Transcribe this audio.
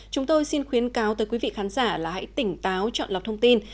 chúng tôi xin khuyến cáo tới quý vị khán giả là hãy tỉnh táo chọn lọc thông tin